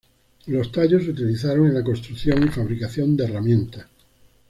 Los tallos se utilizaron en la construcción y fabricación de herramientas.